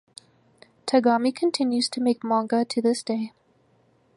Tagami continues to make manga to this day.